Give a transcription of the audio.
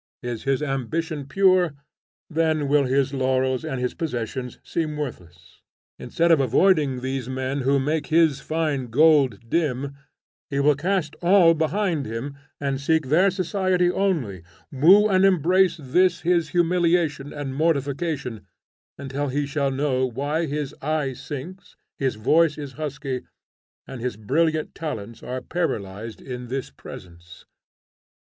Is his ambition pure? then will his laurels and his possessions seem worthless: instead of avoiding these men who make his fine gold dim, he will cast all behind him and seek their society only, woo and embrace this his humiliation and mortification, until he shall know why his eye sinks, his voice is husky, and his brilliant talents are paralyzed in this presence.